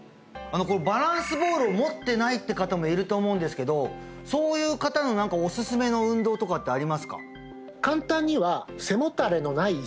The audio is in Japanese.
バランスボールを持ってないって方もいると思うんですけどそういう方の何かおすすめの運動とかってありますか？